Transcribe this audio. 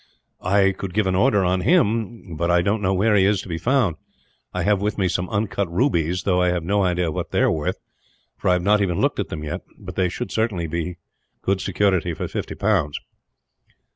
"I could give an order on him, but I do not know where he is to be found. I have with me some uncut rubies; though I have no idea what they are worth, for I have not even looked at them yet; but they should certainly be good security for 50 pounds."